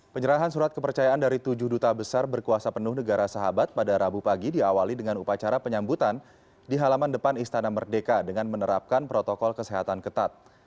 penyerahan surat kepercayaan dari tujuh duta besar berkuasa penuh negara sahabat pada rabu pagi diawali dengan upacara penyambutan di halaman depan istana merdeka dengan menerapkan protokol kesehatan ketat